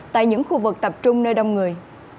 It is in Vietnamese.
tại những khu vực tập trung nơi đông người